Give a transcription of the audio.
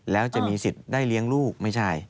แล้วจะมีสิทธิ์ได้เลี้ยงลูกไม่ใช่